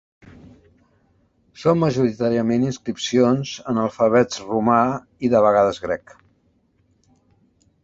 Són majoritàriament inscripcions en alfabets romà i de vegades grec.